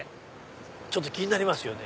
ちょっと気になりますよね。